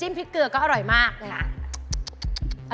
อร่อยเคยทานมั้ยคะ